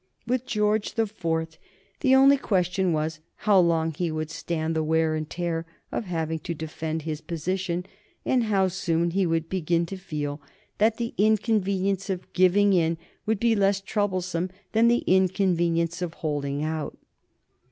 With George the Fourth the only question was how long he would stand the wear and tear of having to defend his position, and how soon he would begin to feel that the inconvenience of giving in would be less troublesome than the inconvenience of holding out.